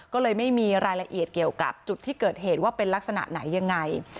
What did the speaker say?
ก็เลยไม่มีรายละเอียดเกี่ยวกับจุดที่เกิดเหตุว่าเป็นลักษณะไหนยังไง